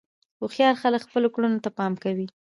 هوښیار خلک خپلو کړنو ته پام کوي.